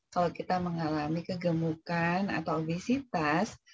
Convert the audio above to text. kalau kita mengalami kegemukan atau obesitas